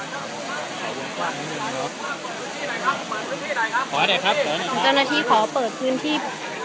ขอบริการหนึ่งหนึ่งแล้วขอให้ได้ครับเดี๋ยวหนึ่งนาทีขอเปิดพื้นที่